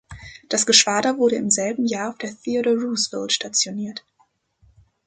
Das Geschwader wurde im selben Jahr auf der "Theodore Roosevelt" stationiert.